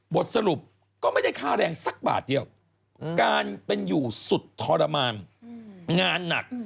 บทสรุปก็ไม่ได้ค่าแรงสักบาทเดียวการเป็นอยู่สุดทรมานงานหนัก